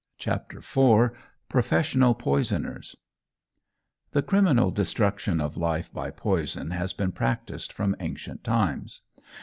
'" CHAPTER IV PROFESSIONAL POISONERS THE criminal destruction of life by poison has been practised from ancient times.